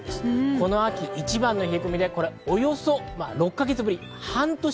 この秋一番の冷え込みで、およそ６か月ぶり。